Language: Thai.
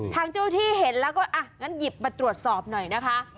ทางเจ้าที่เห็นแล้วก็อ่ะงั้นหยิบมาตรวจสอบหน่อยนะคะ